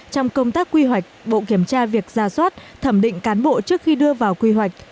trong công tác quy hoạch bộ kiểm tra việc ra soát thẩm định cán bộ trước khi đưa vào quy hoạch